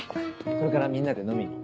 これからみんなで飲みに。